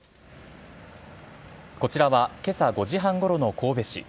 こちらは、けさ５時半ごろの神戸市。